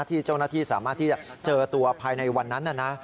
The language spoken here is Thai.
ที่เจ้าหน้าที่สามารถที่จะเจอตัวภายในวันนั้น